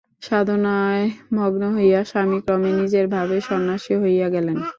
সাধনায় মগ্ন হইয়া স্বামী ক্রমে নিজের ভাবে সন্ন্যাসী হইয়া গেলেন।